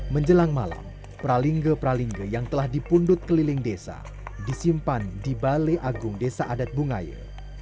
menjelang malam pralinga pralingge yang telah dipundut keliling desa disimpan di balai agung desa adat bungaya